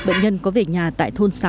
bệnh nhân có về nhà tại thôn sáu